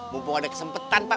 mumpung ada kesempetan pak